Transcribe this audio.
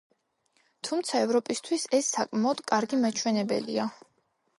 თუმცა ევროპისთვის ეს საკმაოდ კარგი მაჩვენებელია.